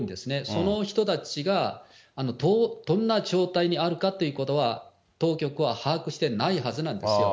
その人たちがどんな状態にあるかということは、当局は把握してないはずなんですよ。